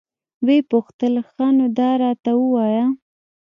ويې پوښتل ښه نو دا راته ووايه.